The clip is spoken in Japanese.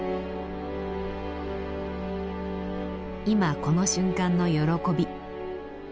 今この瞬間の喜び。